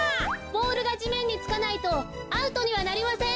ボールがじめんにつかないとアウトにはなりません。